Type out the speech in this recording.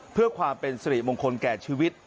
เพื่อความเป็นสิริมงคลแก่ชีวิต